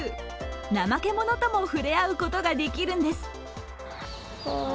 ナマケモノともふれあうことができるんです。